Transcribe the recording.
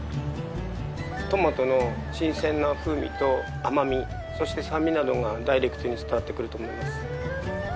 トマトの新鮮な風味と甘みそして酸味などがダイレクトに伝わってくると思います。